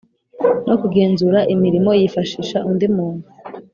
No Kugenzura Imirimo Yifashisha Undi muntu